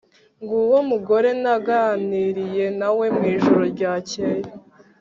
Nguwo mugore naganiriye nawe mwijoro ryakeye